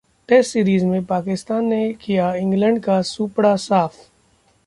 test series में पाकिस्तान ने किया इंग्लैंड का सूपड़ा साफ